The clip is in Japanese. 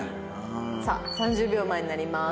さあ３０秒前になります。